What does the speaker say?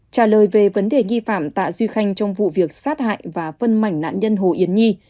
trả lời về vấn đề nghi phạm tạ duy khanh trong vụ việc sát hại và phân mảnh nạn nhân hồ yến nhi